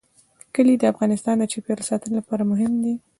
کلي د افغانستان د چاپیریال ساتنې لپاره مهم دي.